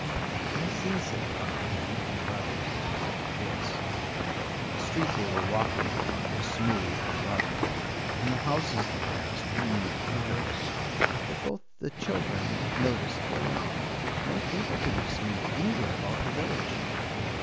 "I see," said Tot again, in a rather bewildered voice. The street they were walking upon was smooth and level, and the houses they passed were neat and pretty; but both the children noticed there were no people to be seen anywhere about the village.